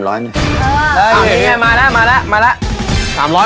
ร้านนี้มันมาแล้วมาแล้ว